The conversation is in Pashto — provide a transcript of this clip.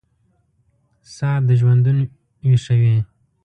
ساه دژوندون ویښوي